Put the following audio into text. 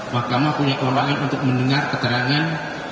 mahkamah punya kewenangan untuk mendengar keterangan